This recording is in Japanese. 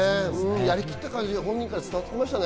やりきった感じが本人から伝わってきましたね。